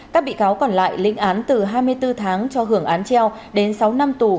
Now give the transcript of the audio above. các bị cáo còn lại lĩnh án từ hai mươi bốn tháng cho hưởng án treo đến sáu năm tù